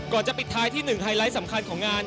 จะปิดท้ายที่หนึ่งไฮไลท์สำคัญของงาน